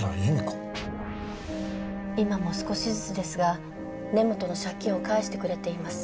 今も少しずつですが根本の借金を返してくれています。